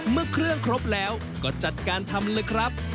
เมื่อเครื่องครบแล้วก็จัดการทำเลยครับ